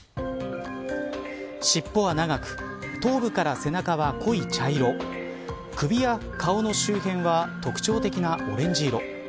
尻尾は長く頭部から背中は濃い茶色首や顔の周辺は特徴的なオレンジ色。